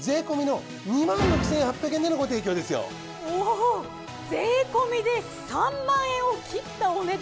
おおっ税込で３万円を切ったお値段。